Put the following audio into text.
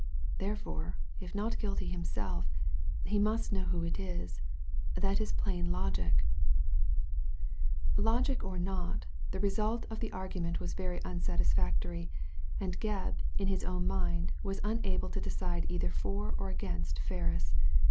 Therefore, if not guilty himself, he must know who is : that is plain logic/' Logic or not, the result of the argument was very unsatisfactory, and Gebb, in his own mind, was unable to decide either for or against Ferris.